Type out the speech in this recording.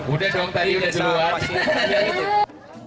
udah dong tadi udah semua